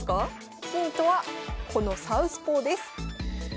ヒントはこのサウスポーです。